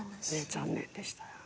残念でした。